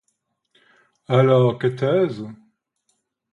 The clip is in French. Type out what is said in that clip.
Alors qu’était-ce?